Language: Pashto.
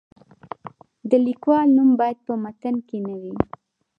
د لیکوال نوم باید په متن کې نه وي.